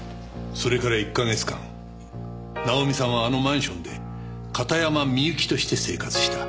それから１か月間ナオミさんはあのマンションで片山みゆきとして生活した。